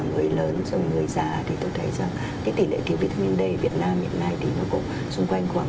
người lớn rồi người già thì tôi thấy rằng cái tỷ lệ thiếu vitamin d việt nam hiện nay thì nó cũng xung quanh khoảng năm mươi